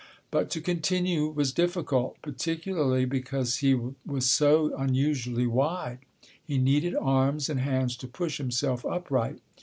But to continue was difficult, particularly because he was so unusually wide. He needed arms and hands to push himself upright.